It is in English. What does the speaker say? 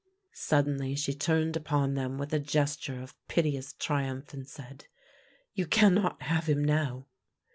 Suddenly she turned upon them with a gesture of piteous triumph, and said: " You cannot have him now."